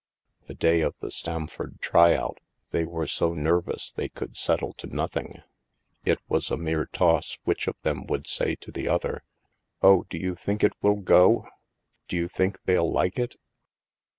The day of the Stamford try out, they were so nervous they could settle to nothing. It was a mere toss which of them would say to the other :" Oh, do you think it will go? Do you think they'll like it?"